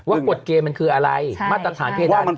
ว่าบทเกมมันคืออะไรมาตรฐานเพศาสนมันคืออะไรใช่ใช่